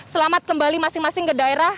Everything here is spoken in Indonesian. selamat kembali masing masing ke daerah